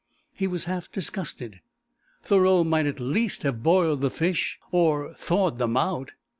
He was half disgusted. Thoreau might at least have boiled the fish, or thawed them out.